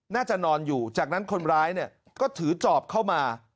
น่าจะนอนอยู่จากนั้นคนร้ายเนี่ยก็ถือจอบเข้ามา